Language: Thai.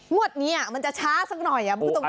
งวดนี้มันจะช้าสักหน่อย